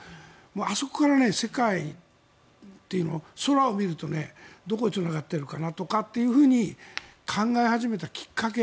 あそこから世界っていうのを空を見るとどこへつながっているかなとかというふうに考え始めたきっかけ